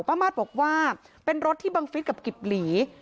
ป้ามาดบอกว่าเป็นรถที่บังฤทธิ์กับกิบหลี